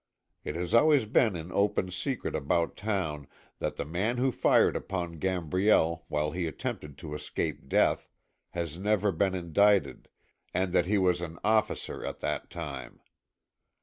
It has always been an open secret about town that the man who fired upon Gambriel while he attempted to escape death, has never been indicted, and that he was an officer at that time.